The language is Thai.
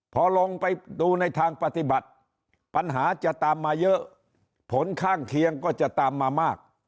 พอลงไปดูในทางปฏิบัติปัญหาจะตามมาเยอะผลข้างเคียงก็จะตามมามาก